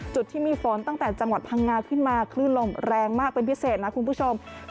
จุดที่มีฝนตั้งแต่จังหวัดพังงาขึ้นมาคลื่นลมแรงมากเป็นพิเศษนะคุณผู้ชม